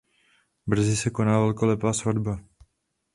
Brzy se koná velkolepá svatba.